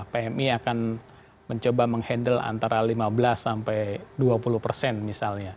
pmi akan mencoba menghandle antara lima belas sampai dua puluh persen misalnya